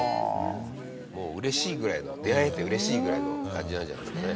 もう嬉しいぐらいの出会えて嬉しいぐらいの感じなんじゃないですかね。